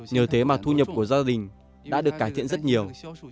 nhờ thế mà thu nhập của gia đình đã được cải thiện rất nhiều